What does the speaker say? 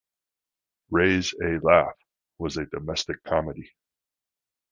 "Ray's a Laugh" was a domestic comedy.